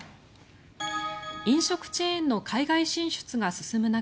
飲食チェーンの海外進出が進む中